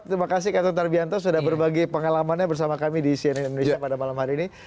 terima kasih cathe tarbianto sudah berbagi pengalamannya bersama kami di cnn indonesia pada malam hari ini